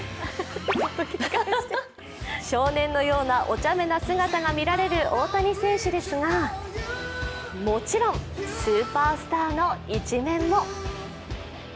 少年のようなおちゃめな姿が見られる大谷選手ですが、もちろん、スーパースターの一面も。